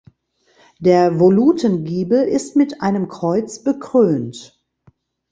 Der Volutengiebel ist mit einem Kreuz bekrönt.